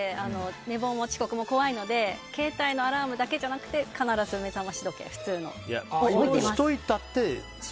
寝坊も遅刻も怖いので携帯のアラームだけじゃなくて必ず目覚まし時計普通のを置いてます。